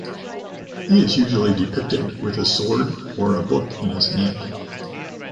He is usually depicted with a sword or a book in his hand.